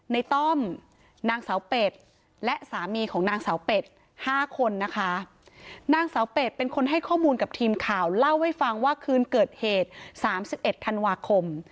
นางเสาเป็ดเป็นคนให้ข้อมูลกับทีมข่าวเล่าให้ฟังว่าคืนเกิดเหตุ๓๑ธันวาคม